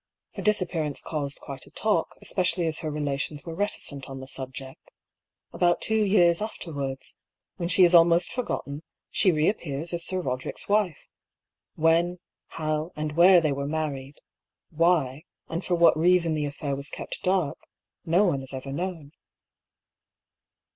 Her disap pearance caused quite a talk, especially as her relations were reticent on the subject. About two years after wards, when she is almost forgotten, she reappears as Sir Roderick's wife. When, how, and where they were married — why, and for what reason the affair was kept dark — no one has ever known."